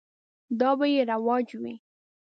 دا به یې رواج وي.